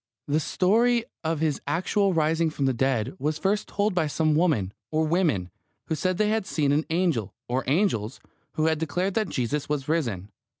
The story of His actual rising from the dead was first told by some woman, or women, who said they had seen an angel, or angels, who had declared that Jesus was risen.